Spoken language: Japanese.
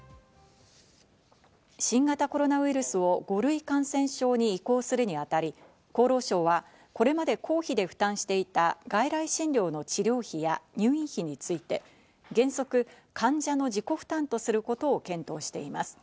新型コロナウイルスを５類感染症に移行するにあたり、厚労省はこれまで公費で負担していた外来診療の治療費や入院費について、原則、患者の自己負担とすることを検討しています。